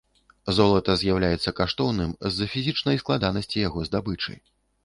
Золата з'яўляецца каштоўным з-за фізічнай складанасці яго здабычы.